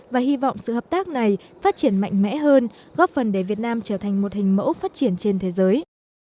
và hy vọng sự hợp tác này phát triển mạnh mẽ hơn góp phần để việt nam trở thành một hình mẫu phát triển trên thế giới